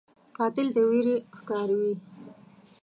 قاتل د ویر ښکاروي